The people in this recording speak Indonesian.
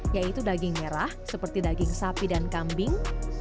yaitu daging merah seperti daging sapi dan kambing